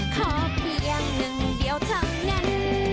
ขอเพียงหนึ่งเดียวเท่านั้น